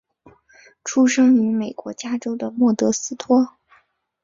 出生于美国加州的莫德斯托。